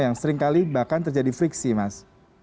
yang seringkali bahkan terjadi friksi mas